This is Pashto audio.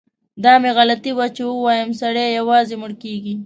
دا مې غلطي وه چي ووایم سړی یوازې مړ کیږي.